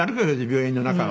病院の中を。